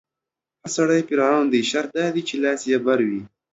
هر سړی فرعون دی، شرط دا دی چې لاس يې بر وي